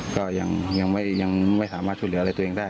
ก็ยังไม่สามารถช่วยเหลืออะไรตัวเองได้